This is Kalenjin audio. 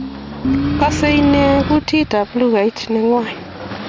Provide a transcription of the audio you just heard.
Kisa en kotut ab lukait ne nywan